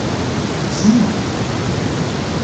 Bizim mi?